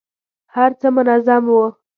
هر څه منظم وو.